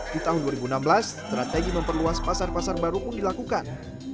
di tahun dua ribu enam belas strategi memperluas pasar pasar baru pun dilakukan